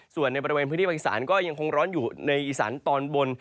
ส่วนในบริเวณพื้นที่ภาคอีสานก็ยังคงร้อนอยู่ในอีสานตอนบน